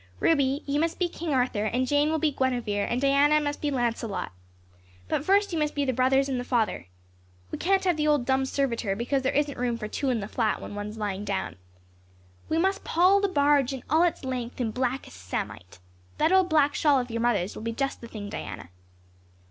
"Ruby, you must be King Arthur and Jane will be Guinevere and Diana must be Lancelot. But first you must be the brothers and the father. We can't have the old dumb servitor because there isn't room for two in the flat when one is lying down. We must pall the barge all its length in blackest samite. That old black shawl of your mother's will be just the thing, Diana."